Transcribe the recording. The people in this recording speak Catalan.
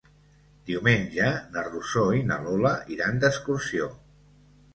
Diumenge na Rosó i na Lola iran d'excursió.